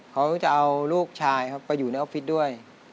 เขาจะเอาลูกชายครับไปอยู่ในออฟฟิศด้วย